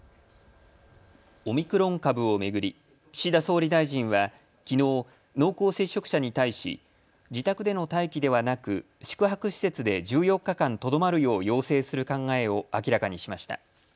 オミクロン株を巡り岸田総理大臣はきのう、濃厚接触者に対し、自宅での待機ではなく宿泊施設で１４日間とどまるよう要請する考えを明らかにしました。